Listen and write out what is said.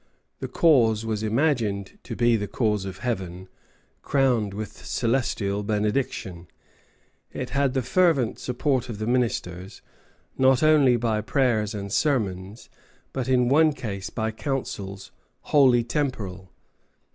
The cause was imagined to be the cause of Heaven, crowned with celestial benediction. It had the fervent support of the ministers, not only by prayers and sermons, but, in one case, by counsels wholly temporal.